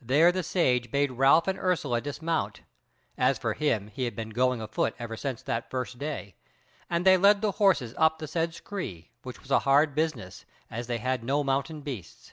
There the Sage bade Ralph and Ursula dismount (as for him he had been going afoot ever since that first day) and they led the horses up the said scree, which was a hard business, as they were no mountain beasts.